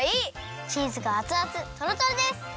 チーズがあつあつトロトロです！